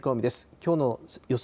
きょうの予想